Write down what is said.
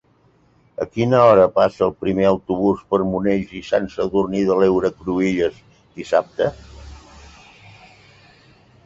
A quina hora passa el primer autobús per Monells i Sant Sadurní de l'Heura Cruïlles dissabte?